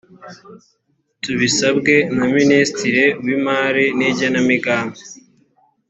tubisabwe na minisitiri w imari n igenamigambi